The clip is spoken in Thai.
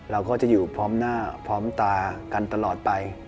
เราก็จะอยู่พร้อมหน้าพร้อมตากันตลอดไป